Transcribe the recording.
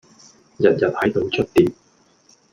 日日喺度捽碟